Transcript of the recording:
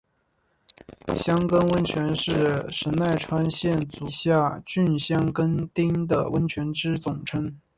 箱根温泉是神奈川县足柄下郡箱根町的温泉之总称。